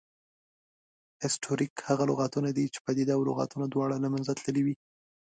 هسټوریک هغه لغتونه دي، چې پدیده او لغتونه دواړه له منځه تللې وي